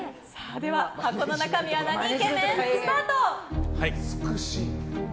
箱の中身はなにイケメン？スタート。